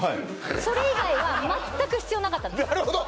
それ以外は全く必要なかったのなるほど！